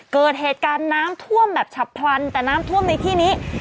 เกิดเหตุการณ์น้ำท่วมแบบฉับพลันแต่น้ำท่วมในที่นี้